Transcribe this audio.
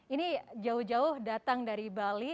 ini jauh jauh datang dari bali